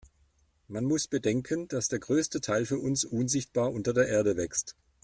Man muss bedenken, dass der größte Teil für uns unsichtbar unter der Erde wächst.